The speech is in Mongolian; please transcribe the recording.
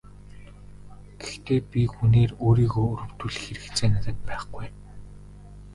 Гэхдээ би хүнээр өөрийгөө өрөвдүүлэх хэрэгцээ надад байхгүй.